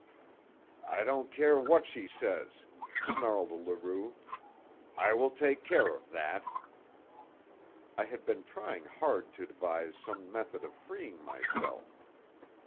"I don't care what she says," snarled Leroux. "I will take care of that." I had been trying hard to devise some method of freeing myself.